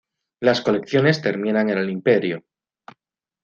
Las colecciones terminan en el Imperio.